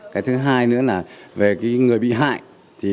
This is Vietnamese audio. cái thứ hai nữa là về người bị hại